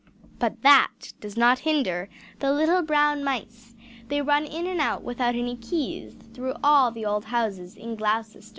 But that does not hinder the little brown mice; they run in and out without any keys through all the old houses in Gloucester!